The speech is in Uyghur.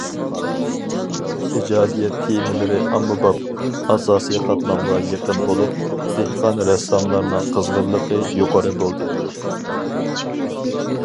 ئىجادىيەت تېمىلىرى ئاممىباب، ئاساسىي قاتلامغا يېقىن بولۇپ، دېھقان رەسساملارنىڭ قىزغىنلىقى يۇقىرى بولدى.